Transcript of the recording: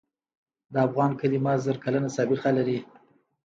د افغان کلمه زر کلنه سابقه لري.